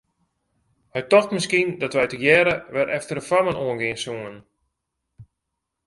Hy tocht miskien dat wy tegearre wer efter de fammen oan gean soene.